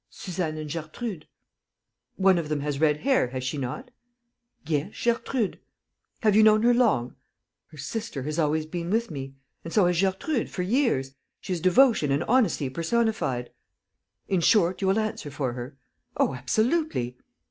"Suzanne and Gertrude." "One of them has red hair, has she not?" "Yes, Gertrude." "Have you known her long?" "Her sister has always been with me ... and so has Gertrude, for years. ... She is devotion and honesty personified. ..." "In short, you will answer for her?" "Oh, absolutely!"